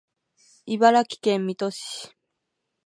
茨城県水戸市